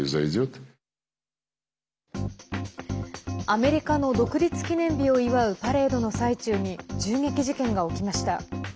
アメリカの独立記念日を祝うパレードの最中に銃撃事件が起きました。